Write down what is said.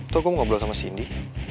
tuh gue mau ngobrol sama sindi